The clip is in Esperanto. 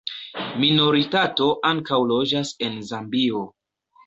Minoritato ankaŭ loĝas en Zambio.